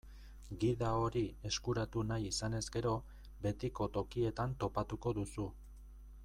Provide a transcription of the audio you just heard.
Gida hori eskuratu nahi izanez gero, betiko tokietan topatuko duzu.